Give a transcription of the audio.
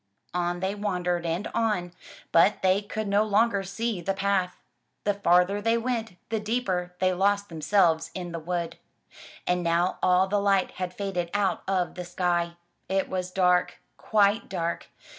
On they wandered and on, but they could no longer see the path. The farther they went, the deeper they lost themselves in the wood. And now all the light had faded out of the sky. It was dark, quite dark.